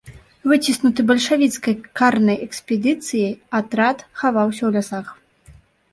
Выціснуты бальшавіцкай карнай экспедыцыяй, атрад хаваўся ў лясах.